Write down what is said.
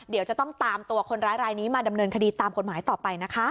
เดี๋ยวจะต้องตามตัวคนร้ายรายนี้มาดำเนินคดีตามกฎหมายต่อไปนะคะ